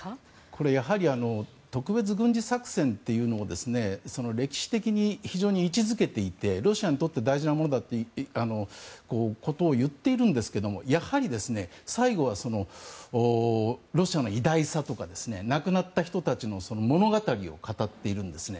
これはやはり特別軍事作戦というのを歴史的に非常に位置付けていてロシアにとって大事なものだと言ってるんですけどもやはり最後はロシアの偉大さとか亡くなった人たちの物語を語っているんですね。